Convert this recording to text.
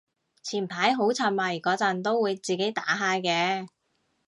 前排好沉迷嗰陣都會自己打下嘅